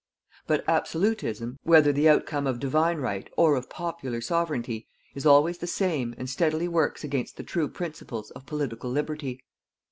But ABSOLUTISM, whether the outcome of Divine Right or of popular sovereignty, is always the same and steadily works against the true principles of Political Liberty.